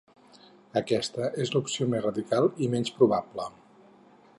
Aquesta és l’opció més radical i menys probable.